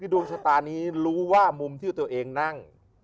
ดวงชะตานี้รู้ว่ามุมที่ตัวเองนั่ง